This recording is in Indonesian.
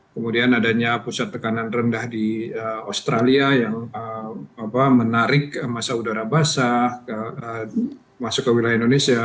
kemudian adanya pusat tekanan rendah di australia yang menarik masa udara basah masuk ke wilayah indonesia